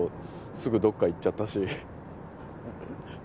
すぐどっか行っちゃったし